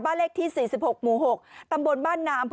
เลขที่๔๖หมู่๖ตำบลบ้านนาม